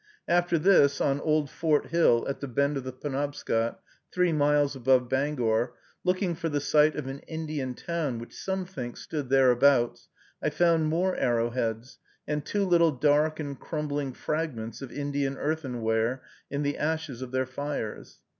After this, on Old Fort Hill, at the bend of the Penobscot, three miles above Bangor, looking for the site of an Indian town which some think stood thereabouts, I found more arrowheads, and two little dark and crumbling fragments of Indian earthenware, in the ashes of their fires.